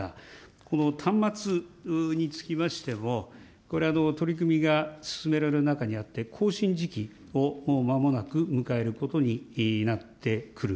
この端末につきましても、これ、取り組みが進められる中にあって、更新時期をもうまもなく迎えることになってくる。